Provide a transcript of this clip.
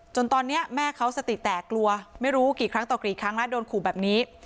ตอนนี้แม่เขาสติแตกกลัวไม่รู้กี่ครั้งต่อกี่ครั้งแล้วโดนขู่แบบนี้